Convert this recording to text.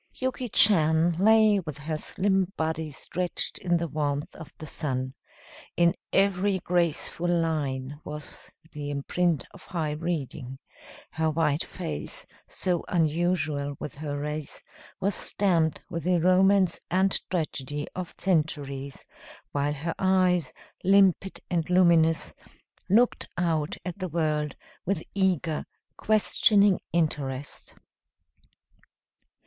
Yuki Chan lay with her slim body stretched in the warmth of the sun. In every graceful line was the imprint of high breeding; her white face, so unusual with her race, was stamped with the romance and tragedy of centuries; while her eyes, limpid and luminous, looked out at the world with eager, questioning interest.